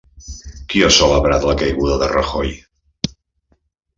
Qui ha celebrat la caiguda de Rajoy?